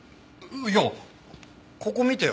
いやここ見てよ